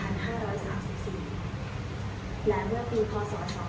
และเมื่อปีพศ๒๕๖